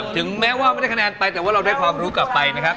ถึงแม้ว่าไม่ได้คะแนนไปแต่ว่าเราได้ความรู้กลับไปนะครับ